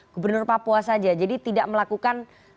gubernur papua saja jadi tidak melakukan